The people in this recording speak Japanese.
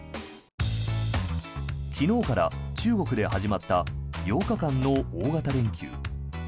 昨日から中国で始まった８日間の大型連休。